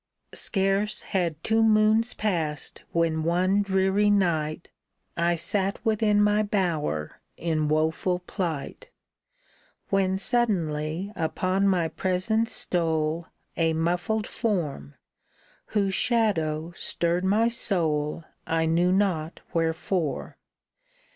Scarce had two moons passed when one dreary night I sat within my bower in woeful plight, When suddenly upon my presence stole A muffled form, whose shadow stirred my soul I knew not wherefore.